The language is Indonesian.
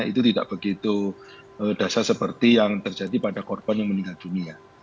itu tidak begitu dasar seperti yang terjadi pada korban yang meninggal dunia